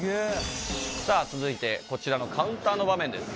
さあ続いてこちらのカウンターの場面です。